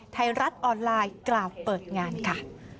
ไทยรัฐออนไลน์กล่าวเปิดงานค่ะ